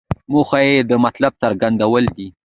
موخه یې د مطلب څرګندول دي.